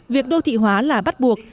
việc đô thị hóa là bắt buộc